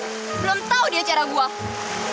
belum tahu dia cara buah